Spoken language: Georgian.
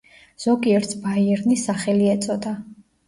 ზოგიერთს ბაიერნის სახელი ეწოდა.